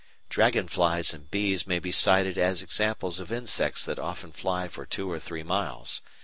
Dragon flies and bees may be cited as examples of insects that often fly for two or three miles.